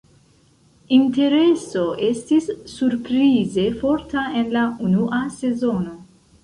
Intereso estis surprize forta en la unua sezono.